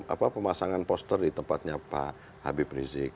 apa pemasangan poster di tempatnya pak habib rizik